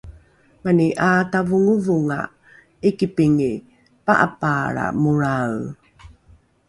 mani ’aatavongovongonga ’ikipingi pa’apaalra molrae